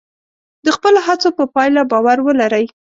د خپلو هڅو په پایله باور ولرئ.